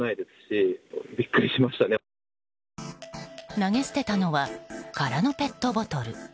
投げ捨てたのは空のペットボトル。